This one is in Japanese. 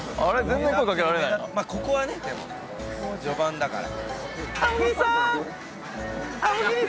まあここはねでも序盤だから。